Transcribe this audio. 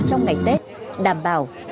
trong ngày tết đảm bảo